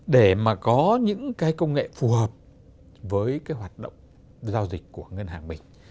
để mà có những cái công nghệ phù hợp với cái hoạt động giao dịch của ngân hàng mình